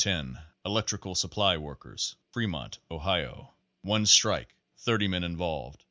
10, Electrical Supply Workers, Fremont, Ohio. One strike; 30 men involved.